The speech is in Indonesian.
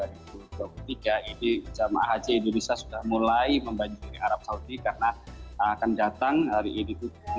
ini jamaah haji indonesia sudah mulai membanjiri arab saudi karena akan datang hari ini